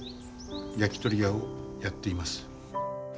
焼き鳥屋をやっています。